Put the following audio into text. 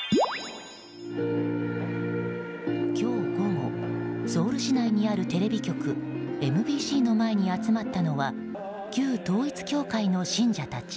今日午後、ソウル市内にあるテレビ局ＭＢＣの前に集まったのは旧統一教会の信者たち。